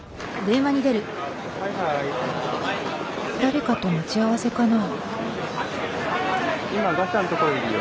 誰かと待ち合わせかな？